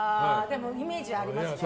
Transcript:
イメージはありますね。